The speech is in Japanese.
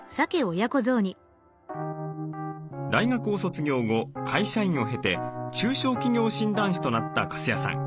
大学を卒業後会社員を経て中小企業診断士となった粕谷さん。